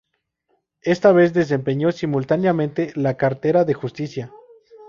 Esta vez desempeñó simultáneamente la cartera de Justicia.